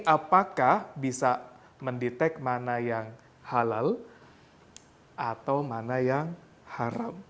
apakah bisa mendetek mana yang halal atau mana yang haram